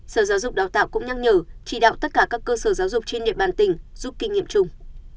sở giáo dục đào tạo cũng nhắc nhở chỉ đạo tất cả các cơ sở giáo dục trên địa bàn tỉnh giúp kinh nghiệm chung